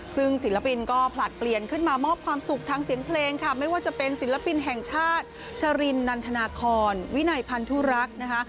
ซึ่งศิลปินก็ผลัดเปลี่ยนขึ้นมามอบความสุขทางเสียงเพลงค่ะไม่ว่าจะเป็นศิลปินแห่งชาติชรินนันทนาคอนวินัยพันธุรักษ์นะคะ